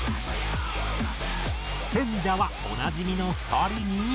選者はおなじみの２人に。